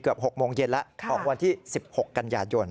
เกือบ๖โมงเย็นแล้วออกวันที่๑๖กันหยาดยนต์